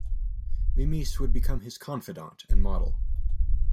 Mimise would become his confidant and model.